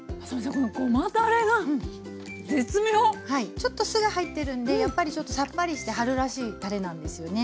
ちょっと酢が入ってるんでやっぱりちょっとさっぱりして春らしいたれなんですよね。